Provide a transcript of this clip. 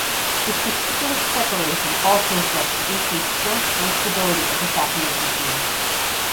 This meticulous preparation also reflects the increased strength and stability of the Fatimid regime.